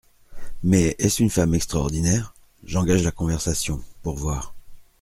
Mais est-ce une femme extraordinaire ? J'engage la conversation, pour voir.